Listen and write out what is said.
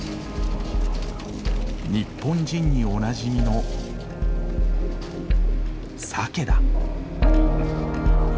日本人におなじみのサケだ。